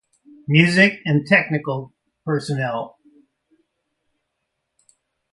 Musical and technical personnel